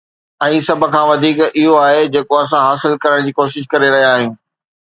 ۽ سڀ کان وڌيڪ، اهو آهي جيڪو اسان حاصل ڪرڻ جي ڪوشش ڪري رهيا آهيون